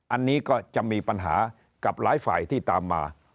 อันนี้ก็จะมีปัญหากับหลายฝ่ายที่ตามมา